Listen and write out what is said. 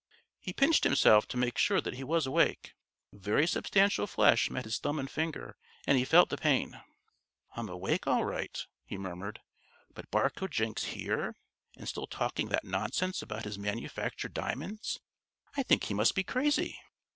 He pinched himself to make sure that he was awake. Very substantial flesh met his thumb and finger, and he felt the pain. "I'm awake all right," he murmured. "But Barcoe Jenks here and still talking that nonsense about his manufactured diamonds. I think he must be crazy.